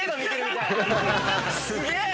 すげえ！